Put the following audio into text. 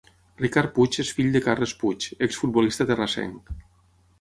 Ricard Puig és fill de Carles Puig, exfutbolista terrassenc.